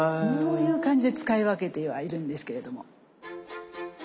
そういう感じで使い分けてはいるんですけれども。